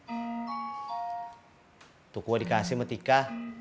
itu kuah dikasih sama tika